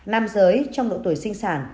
nam giới trong độ tuổi sinh sản